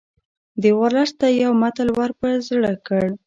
ده ورلسټ ته یو متل ور په زړه کړ.